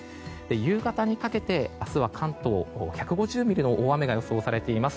夕方にかけて、明日は関東１５０ミリの大雨が予想されています。